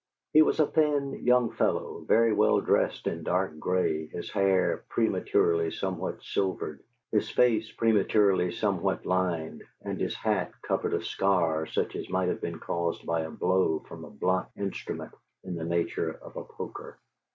He was a thin young fellow, very well dressed in dark gray, his hair prematurely somewhat silvered, his face prematurely somewhat lined, and his hat covered a scar such as might have been caused by a blow from a blunt instrument in the nature of a poker.